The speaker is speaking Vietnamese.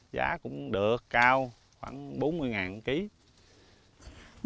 giá cũng được cao khoảng bốn mươi ngàn một kg